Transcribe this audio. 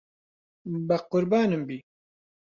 بەقوربانم بی.